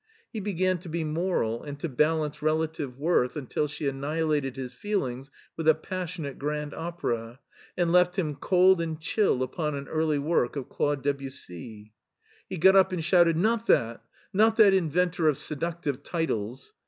He HEIDELBERG ii began to be moral and to balance relative worth until she annihilated his feelings with a passionate grand opera^ and left him cold and chill upon an early work of Claude Debussy. He got up and shouted, " Not that! Not that inventor of seductive titles."